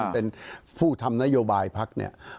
เป็นผู้ทำนโยบายพักเนี่ย